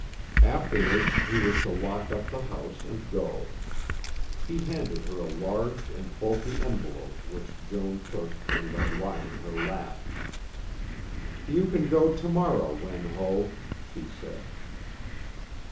Afterwards he was to lock up the house and go. He handed her a large and bulky envelope which Joan took and let lie in her lap. "You can go to morrow, Wen Ho," she said.